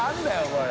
これ。